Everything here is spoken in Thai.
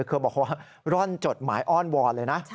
เธอบอกว่าร่อนจดหมายอ้อนวอนเลยนะ